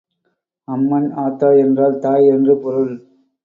அம்மன் ஆத்தா என்றால் தாய் என்று பொருள்.